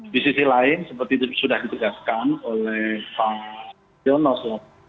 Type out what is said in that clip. di sisi lain seperti sudah ditegaskan oleh pak jonas